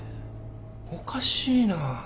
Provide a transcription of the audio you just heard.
おかしいな？